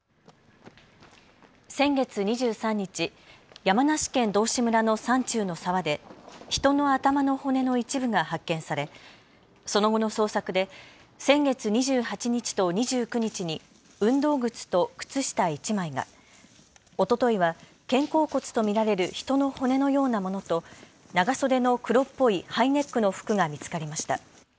先月２３日、山梨県道志村の山中の沢で人の頭の骨の一部が発見されその後の捜索で先月２８日と２９日に運動靴と靴下１枚が、おとといは肩甲骨と見られる人の骨のようなものと長袖の黒っぽいハイネックの服が見つかりました。